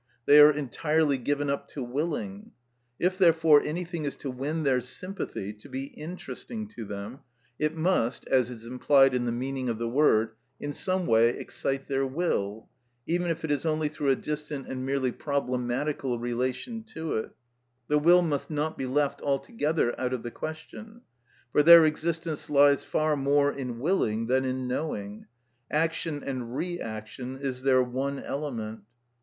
They are entirely given up to willing. If, therefore, anything is to win their sympathy, to be interesting to them, it must (as is implied in the meaning of the word) in some way excite their will, even if it is only through a distant and merely problematical relation to it; the will must not be left altogether out of the question, for their existence lies far more in willing than in knowing,—action and reaction is their one element.